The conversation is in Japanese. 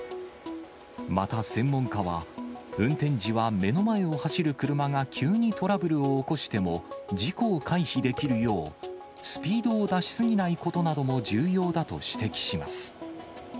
また専門家は、運転時は目の前を走る車が急にトラブルを起こしても、事故を回避できるよう、スピードを出し過ぎないことなども重要だと指摘します。